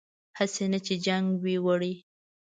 هسې نه چې جنګ وي وړی